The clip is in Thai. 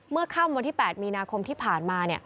ค่ำวันที่๘มีนาคมที่ผ่านมา